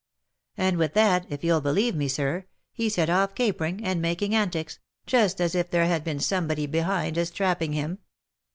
And with that, if you'll believe me, sir, he set off caper ing, and making antics, just as if there had been somebody behind a strapping him.